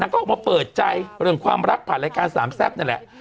ก็ออกมาเปิดใจเรื่องความรักผ่านรายการสามแซ่บนั่นแหละ